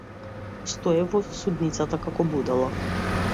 Стоев во судницата како будала.